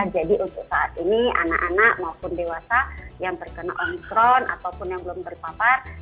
jadi untuk saat ini anak anak maupun dewasa yang terkena omicron ataupun yang belum berpapar